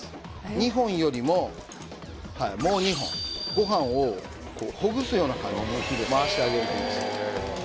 ２本よりもはいもう２本ご飯をほぐすような感じで回してあげるといいですよ